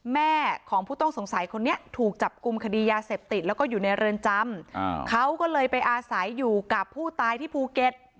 แม่ของผู้ต้องสงสัยคนนี้ถูกจับกลุ่มคดียาเสพติดแล้วก็อยู่ในเรือนจำเขาก็เลยไปอาศัยอยู่กับผู้ตายที่ภูเก็ต